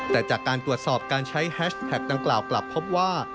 แต่จากการตรวจสอบการใช้แฮชแท็กดังกล่าวกลับพบว่า